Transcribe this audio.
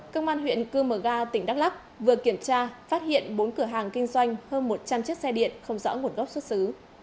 công an huyện cư mờ ga tỉnh đắk lắc vừa kiểm tra phát hiện bốn cửa hàng kinh doanh hơn một trăm linh chiếc xe điện không rõ nguồn gốc xuất xứ